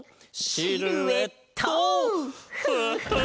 シルエット！